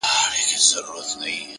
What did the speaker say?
زغم د فشار پر وخت شخصیت ساتي